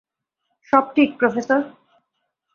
সব ঠিক, প্রফেসর?